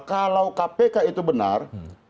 kalau kpk itu benar